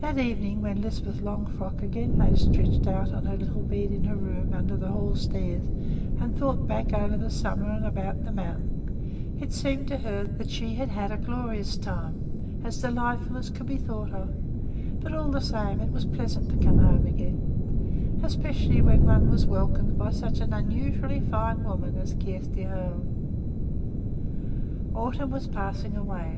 That evening when Lisbeth Longfrock again lay stretched out on her little bed in her room under the hall stairs and thought back over the summer and about the mountain, it seemed to her that she had had a glorious time, as delightful as could be thought of; but, all the same, it was pleasant to come home again, too, especially when one was welcomed by such an unusually fine woman as Kjersti Hoel. Autumn was passing away.